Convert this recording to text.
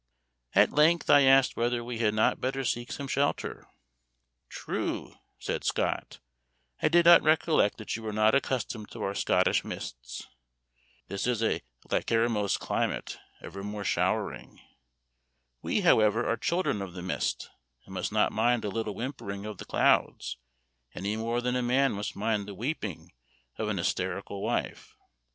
At length, I asked whether we had not better seek some shelter. "True," said Scott, "I did not recollect that you were not accustomed to our Scottish mists. This is a lachrymose climate, evermore showering. We, however, are children of the mist, and must not mind a little whimpering of the clouds any more than a man must mind the weeping of an hysterical wife.